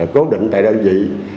cố định tại đơn vị